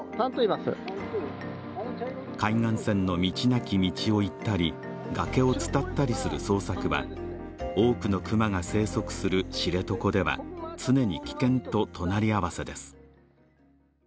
海岸線の道なき道を行ったり、崖を伝ったりする捜索は、多くの熊が生息する知床では常に危険と隣り合わせです。